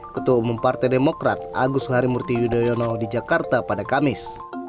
ketua umum partai demokrat agus harimurti yudhoyono di jakarta pada kamis